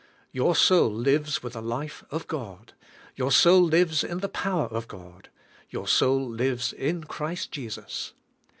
Your soul lives with the life of God; 3^our soul lives in the power of God; 3^our soul lives in Christ Jesus.